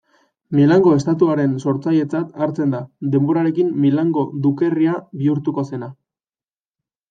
Milango Estatuaren sortzailetzat hartzen da, denborarekin Milango Dukerria bihurtuko zena.